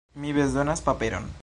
Mi bezonas paperon